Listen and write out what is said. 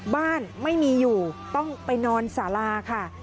บ้านไม่มีอยู่ต้องไปนอนสาราค่ะ